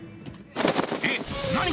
「えっ何？